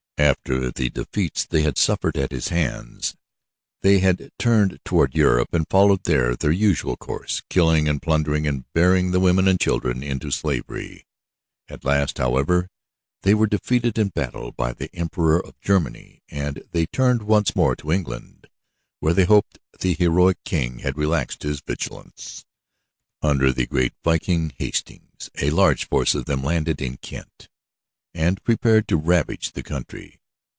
After the defeats they had suffered at his hands they had turned toward Europe and followed there their usual course, killing and plundering and bearing the women and children into slavery. At last, however, they were defeated in battle by the Emperor of Germany and they turned once more to England, where they hoped the heroic king had relaxed his vigilance. Under the great viking, Hastings, a large force of them landed in Kent, and prepared to ravage the country.